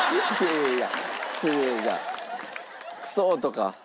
いやいや。